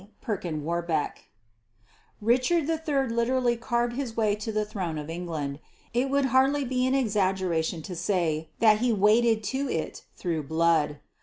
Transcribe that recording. PERKIN WARBECK Richard III literally carved his way to the throne of England. It would hardly be an exaggeration to say that he waded to it through blood.